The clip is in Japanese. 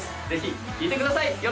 ぜひ聴いてください